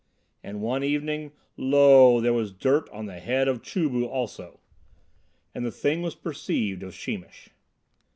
And one evening lo! there was dirt on the head of Chu bu also, and the thing was perceived of Sheemish.